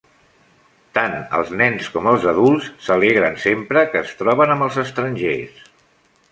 Tant els nens com els adults s"alegren sempre que es troben amb els estrangers.